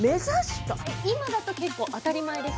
今だと当たり前ですか。